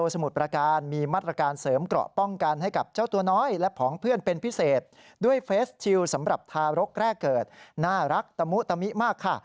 สำหรับทารกแรกเกิดน่ารักตะมุตตะมิมากค่ะ